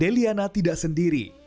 deliana tidak sendiri